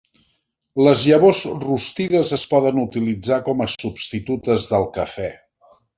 Les llavors rostides es poden utilitzar com a substitutes del cafè.